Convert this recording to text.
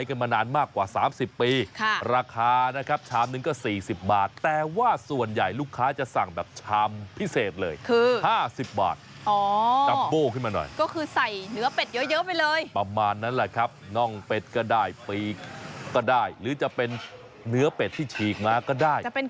ก็ได้หรือจะเป็นเนื้อเป็ดที่ชีง้าก็ได้จะเป็นเครื่องไง้เป็ดก็ได้แล้วแต่ใครชอบ